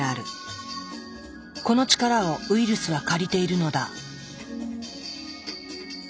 この力をウイルスは借りているのだ。